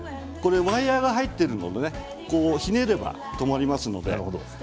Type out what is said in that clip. ワイヤーが入っているのでひねれば留まります。